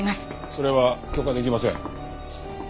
それは許可出来ません。